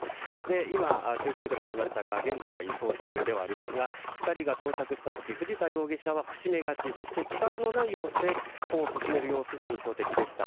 今、中継でもありましたが現在は移送中ではありますが２人が到着した時藤田容疑者は伏し目がちそして力のない様子で歩を進める様子が印象的でしたが。